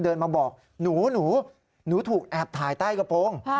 เดินมาบอกหนูหนูถูกแอบถ่ายใต้กระโปรง